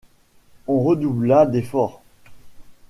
On redoubla d’efforts.